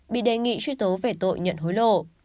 bị đề nghị truy tố về tội nhận hối lộ